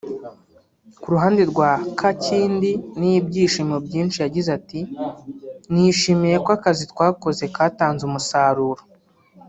Ku ruhande rwa Kakindi n’ibyishimo byinshi yagize ati “Nishimiye ko akazi twakoze katanze umusaruro